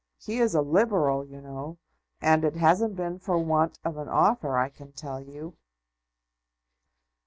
He is a Liberal, you know; and it hasn't been for want of an offer, I can tell you."